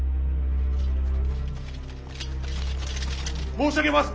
申し上げます！